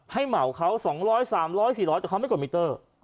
ให้เหมาเขาสองร้อยสามร้อยสี่ร้อยแต่เขาไม่กดมิเตอร์อ๋อ